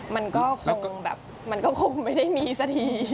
มันก็คงแบบมันก็คงไม่ได้มีสักที